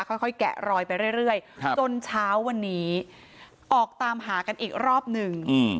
ค่อยแกะรอยไปเรื่อยจนเช้าวันนี้ออกตามหากันอีกรอบหนึ่ง